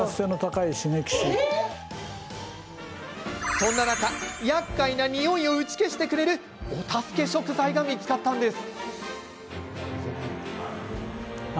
そんな中、やっかいなにおいを打ち消してくれるお助け食材が見つかったんです。